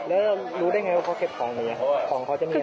อ๋อแล้วรู้ได้อย่างไรว่าเขาเก็บของอย่างนี้ของเขาจะมีอะไร